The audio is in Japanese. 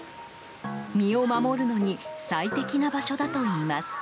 身を守るのに最適な場所だといいます。